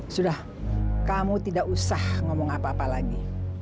sudah kamu tidak usah ngomong apa apa lagi